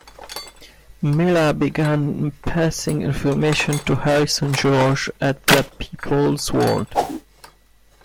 Miller began passing information to Harrison George at the "People's World".